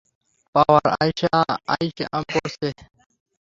পাওয়ার আইয়া পড়ছে!